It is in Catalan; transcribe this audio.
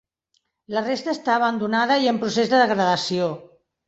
La resta està abandonada i en procés de degradació.